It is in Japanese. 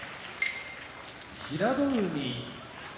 平戸海